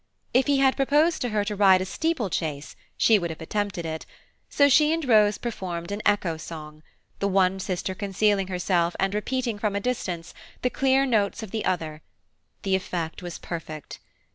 If he had proposed to her to ride a steeple chase, she would have attempted it, so she and Rose performed an echo song, the one sister concealing herself, and repeating from a distance, the clear notes of the other–the effect was perfect.